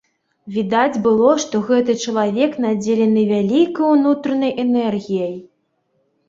Відаць было, што гэты чалавек надзелены вялікай унутранай энергіяй.